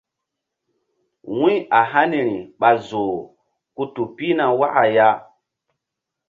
Wu̧y a haniri ɓa zoh ku tu pihna waka ya.